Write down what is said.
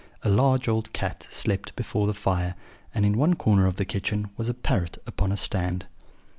A large old cat slept before the fire; and in one corner of the kitchen was a parrot upon a stand.